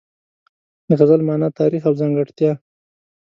د غزل مانا، تاریخ او ځانګړتیا